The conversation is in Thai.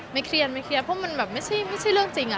เครียดไม่เครียดเพราะมันแบบไม่ใช่เรื่องจริง